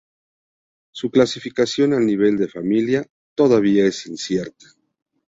Su clasificación al nivel de familia todavía es incierta.